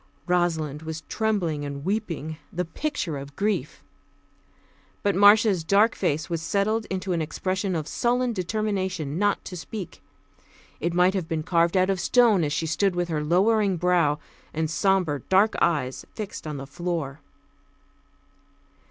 Rosalind was trembling and weeping, the picture of grief; but Marcia's dark face was settled into an expression of sullen determination not to speak. It might have been carved out of stone as she stood with her lowering brow, and sombre dark eyes fixed on the floor.